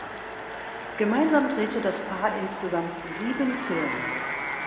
Gemeinsam drehte das Paar insgesamt sieben Filme.